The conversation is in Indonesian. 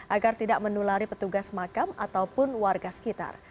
agar tidak menulari petugas makam ataupun warga sekitar